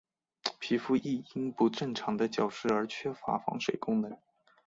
皮肤亦因不正常的角质而缺乏防水功能。